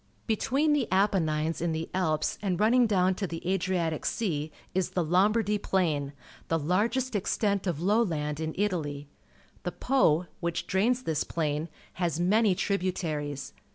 Between the Apennines and the .Ups and running down to the Adriatic Sea, is the Lomhardij Plain — the largest extent of low land in Italy. The Po, wMch drains tliis plain, has many tributaries.